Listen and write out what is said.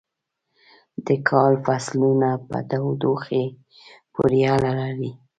د کال فصلونه په تودوخې پورې اړه لري.